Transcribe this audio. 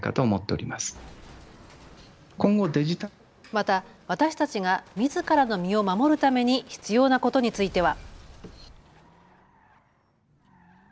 また私たちがみずからの身を守るために必要なことについては。